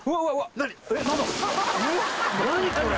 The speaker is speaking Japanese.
何これ？